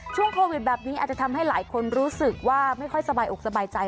ช่วงโควิดแบบนี้อาจจะทำให้หลายคนรู้สึกว่าไม่ค่อยสบายอกสบายใจ